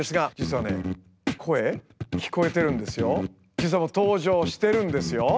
実はもう登場してるんですよ。